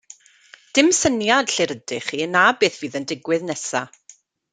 Dim syniad lle rydych chi na beth fydd yn digwydd nesa.